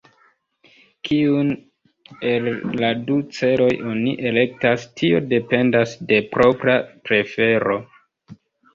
Kiun el la du celoj oni elektas, tio dependas de propra prefero.